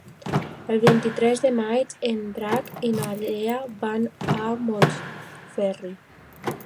El vint-i-tres de maig en Drac i na Lea van a Montferri.